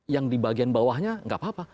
yang di bagian bawahnya nggak apa apa